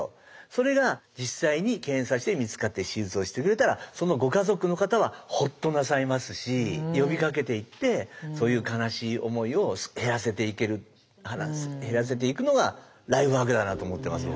それが実際に検査して見つかって手術をしてくれたらそのご家族の方はほっとなさいますし呼びかけていってそういう悲しい思いを減らせていける減らせていくのがライフワークだなと思ってます